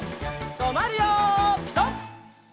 とまるよピタ！